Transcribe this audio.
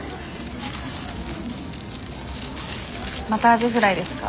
またアジフライですか？